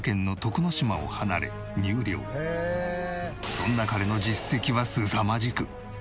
そんな彼の実績はすさまじく。